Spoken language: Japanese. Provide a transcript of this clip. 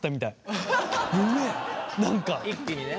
一気にね。